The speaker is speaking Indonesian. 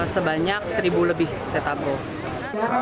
sebanyak seribu lebih set top box